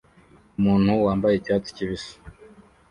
Umuntu wambaye icyatsi kibisi